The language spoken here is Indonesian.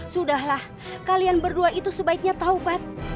sudahlah kalian berdua itu sebaiknya taubat